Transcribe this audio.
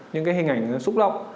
những hình ảnh xúc động